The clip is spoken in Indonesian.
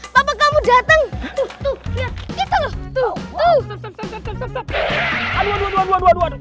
papa kamu datengnya